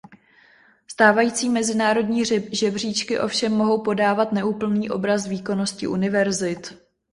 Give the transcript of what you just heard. Stávající mezinárodní žebříčky ovšem mohou podávat neúplný obraz výkonnosti univerzit.